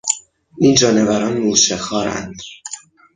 این جانوران مورچه خوارند.